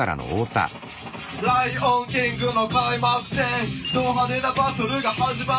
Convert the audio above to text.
「ライオンキング」の開幕戦ど派手なバトルが始まるぜプチョヘンザ！